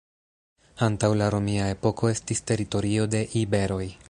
Antaŭ la romia epoko estis teritorio de iberoj.